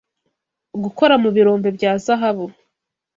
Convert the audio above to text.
gukora mu birombe bya zahabu